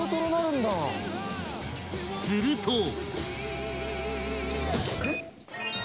［すると］